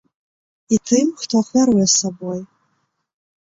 І тым, хто ахвяруе сабой.